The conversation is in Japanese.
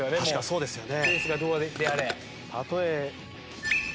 そうですよね。